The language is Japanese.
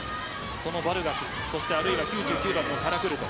そのバルガスそして９９番のカラクルト。